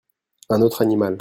Un autre animal.